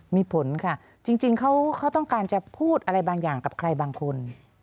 มีผลค่ะจริงเขาต้องการจะพูดอะไรบางอย่างกับใครบางคน